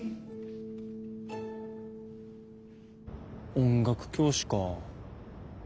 音楽教師か。